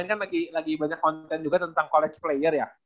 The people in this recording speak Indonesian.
ini kan lagi banyak konten juga tentang college player ya